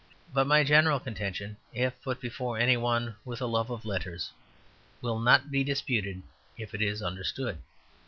But my general contention if put before any one with a love of letters, will not be disputed if it is understood.